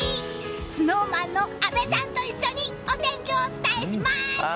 ＳｎｏｗＭａｎの阿部さんと一緒にお天気をお伝えします！